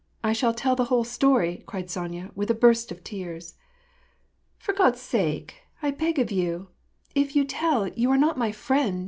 I shall tell the whole story," cried Sonya, with a burst of tears. " For Grod's sake — I beg of you — if you tell, you are not my friend